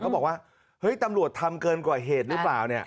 บอกว่าเฮ้ยตำรวจทำเกินกว่าเหตุหรือเปล่าเนี่ย